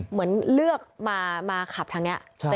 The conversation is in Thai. เหมือนเลือกมาขับทางนี้